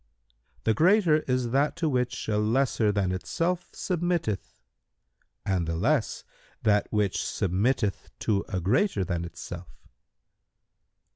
"— "The greater is that to which a lesser than itself submitteth and the less that which submitteth to a greater than itself."